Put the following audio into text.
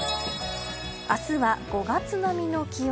明日は５月並みの気温。